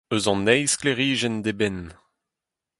eus an eil sklêrijenn d'eben